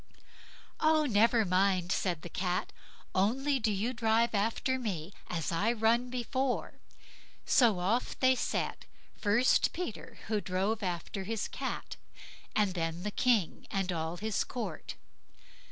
"Oh! never mind", said the Cat; "only do you drive after me as I run before." So off they set; first Peter, who drove after his Cat, and then the King and all his court.